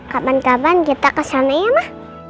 kapan kapan kita kesana ya mah